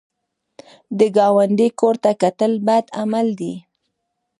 د ګاونډي کور ته کتل بد عمل دی